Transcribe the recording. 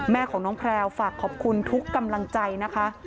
แม่ของน้องแพลวฝากขอบคุณทุกกำลังใจนะคะ